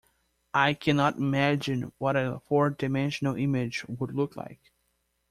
I cannot imagine what a four-dimensional image would look like.